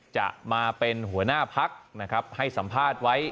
จะมาเป็นหัวหน้าพักนะครับให้สัมภาษณ์ไว้